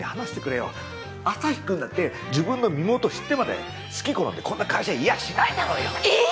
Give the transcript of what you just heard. アサヒくんだって自分の身元知ってまで好きこのんでこんな会社いやしないだろうよ。